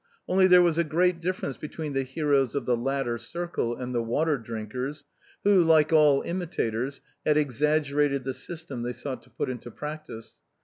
Only there was a great difference between the heroes of the latter circle and the Water drinkers who, like all imitators, had exaggerated the system they sought to put into practice.